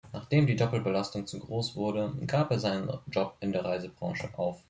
Nachdem die Doppelbelastung zu groß wurde, gab er seinen Job in der Reisebranche auf.